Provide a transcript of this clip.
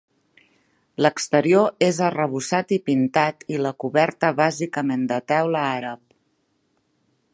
L'exterior és arrebossat i pintat i la coberta bàsicament de teula àrab.